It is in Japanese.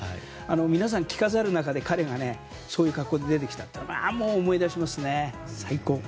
皆さん、着飾る中で彼がそういう格好で出てきたのを思い出しますね、最高。